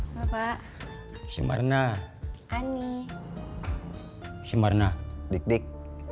apa apa simarna aneh simarna dik dik